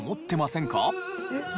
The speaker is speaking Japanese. えっ？